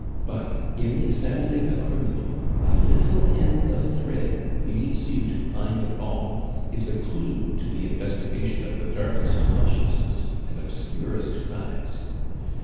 But in examining a criminal, a little end of thread leads you to find a ball, is a clue to the investigation of the darkest consciences and obscurest facts.